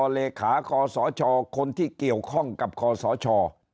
เลขาคอสชคนที่เกี่ยวข้องกับคอสช